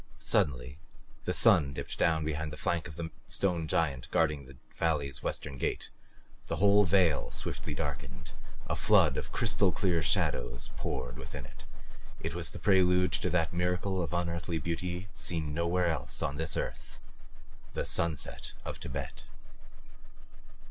Suddenly the sun dipped down behind the flank of the stone giant guarding the valley's western gate; the whole vale swiftly darkened a flood of crystal clear shadows poured within it. It was the prelude to that miracle of unearthly beauty seen nowhere else on this earth the sunset of Tibet.